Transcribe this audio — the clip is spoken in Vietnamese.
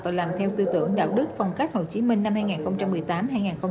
và làm theo tư tưởng đạo đức phong cách hồ chí minh năm hai nghìn một mươi tám hai nghìn một mươi chín